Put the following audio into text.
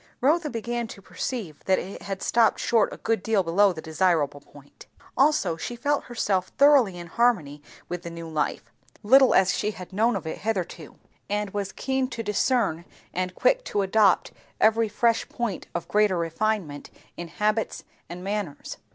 Rotha began to perceive that it had stopped short a good deal below the desirable point. Also she felt herself thoroughly in harmony with the new life, little as she had known of it hitherto; and was keen to discern and quick to adopt every fresh point of greater refinement in habits and manners.